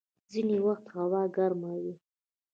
ځيني وخت هوا ګرمه وي.